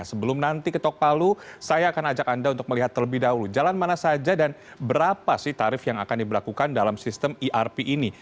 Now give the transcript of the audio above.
sebelum nanti ketok palu saya akan ajak anda untuk melihat terlebih dahulu jalan mana saja dan berapa sih tarif yang akan diberlakukan dalam sistem irp ini